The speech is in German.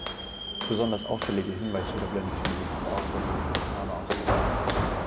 Besonders auffällige Hinweisschilder blende ich unbewusst aus, weil sie wie Reklame aussehen.